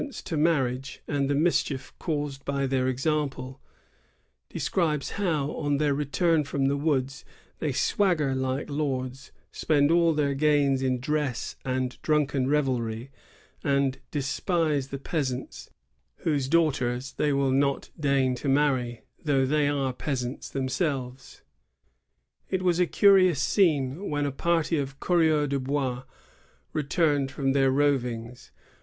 ence to marriage, and the mischief caused by their example; describes how, on their return from the woods, they swagger like lords, spend all their gains in dress and drunken revelry, and despise the peas ants, whose daughters they will not deign to marry, though they are peasants themselves. It was a curious scene when a party of coureurs de hois returned from their rovings.